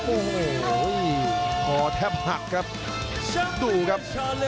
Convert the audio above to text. โอ้โหคอแทบหักครับดูครับ